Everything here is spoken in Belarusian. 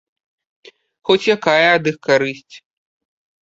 Хоць якая ад іх карысць.